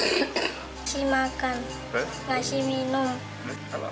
nasi makan nasi minum